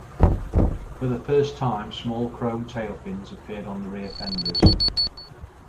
For the first time, small chrome tailfins appeared on the rear fenders.